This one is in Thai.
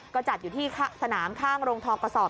ก็จัดอยู่ที่สนามข้างโรงทองกระสอบ